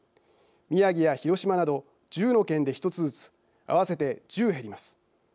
宮城や広島など１０の県で１つずつ合わせて１０減ります。